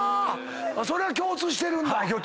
それは共通してるんだ。